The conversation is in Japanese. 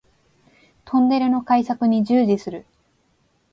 トンネルの開削に従事する